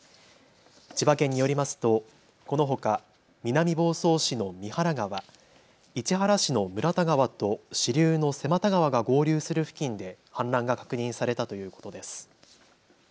千葉県によりますとこのほか南房総市の三原川、市原市の村田川と支流の瀬又川が合流する付近で氾濫が確認されたということです。